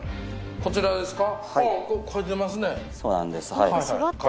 こちらですか？